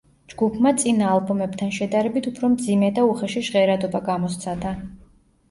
ჯგუფმა წინა ალბომებთან შედარებით უფრო მძიმე და უხეში ჟღერადობა გამოსცადა.